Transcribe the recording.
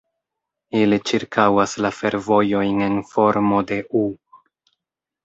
Ili ĉirkaŭas la fervojojn en formo de "U".